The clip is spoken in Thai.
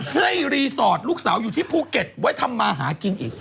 รีสอร์ทลูกสาวอยู่ที่ภูเก็ตไว้ทำมาหากินอีก